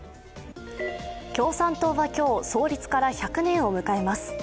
共産党は今日、創立から１００年を迎えます。